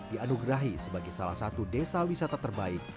dan bahkan sampai hari ini desa wisata terbaik